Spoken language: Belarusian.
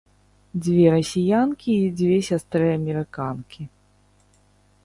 Дзве расіянкі і дзве сястры-амерыканкі.